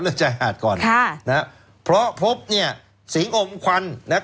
ชายหาดก่อนค่ะนะฮะเพราะพบเนี่ยสิงอมควันนะครับ